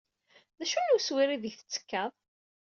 D acu n wesrir aydeg tettekkaḍ?